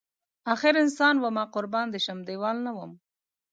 اخر انسان ومه قربان دی شم دیوال نه وم